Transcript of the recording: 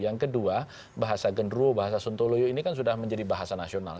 yang kedua bahasa genru bahasa sontoloyo ini kan sudah menjadi bahasa nasional